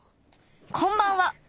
こんばんは。